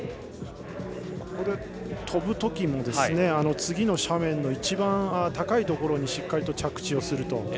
とぶときも次の斜面の一番高いところにしっかりと着地をすると。